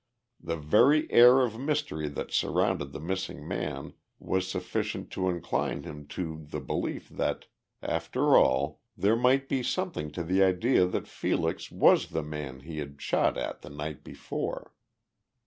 The very air of mystery that surrounded the missing man was sufficient to incline him to the belief that, after all, there might be something to the idea that Felix was the man he had shot at the night before.